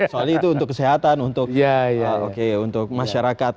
soalnya itu untuk kesehatan untuk masyarakat